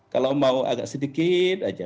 kalau mau agak sedikit aja